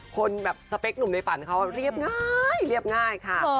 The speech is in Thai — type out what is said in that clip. คนแบบสเปคหนุ่มในฝันเขาเรียบง่ายเรียบง่ายค่ะ